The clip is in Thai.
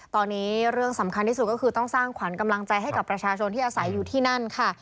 ตอนนี้เรื่องสำคัญที่สุดก็คือต้องสร้างขวัญกำลังใจให้กับประชาชนที่อาศัยอยู่ที่นั่นค่ะ